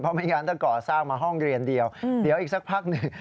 ไม่งั้นถ้าก่อสร้างมาห้องเรียนเดียวเดี๋ยวอีกสักพักหนึ่ง